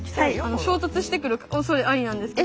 衝突してくるおそれありなんですけど。